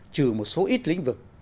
trừ một số ít lý